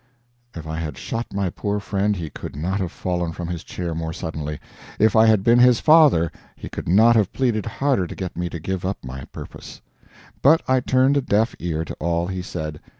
If I had shot my poor friend he could not have fallen from his chair more suddenly. If I had been his father he could not have pleaded harder to get me to give up my purpose. But I turned a deaf ear to all he said.